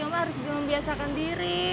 mama harus juga membiasakan diri